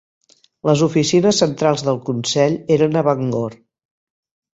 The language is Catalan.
Les oficines centrals del consell eren a Bangor.